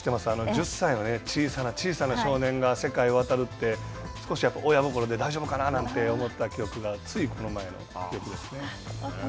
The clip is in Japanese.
１０歳の小さな小さな少年が世界を渡るって、少し親心で大丈夫かななんて思った記憶がついこの前の記憶ですね。